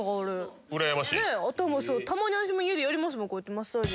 たまに私も家でやりますもんこうやってマッサージ。